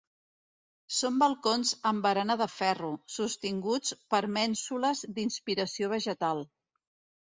Són balcons amb barana de ferro, sostinguts per mènsules d'inspiració vegetal.